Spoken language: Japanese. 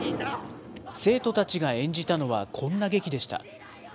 生徒たちが演じたのはこんな劇でした。